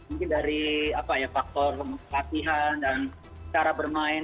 mungkin dari apa ya faktor latihan dan cara bermain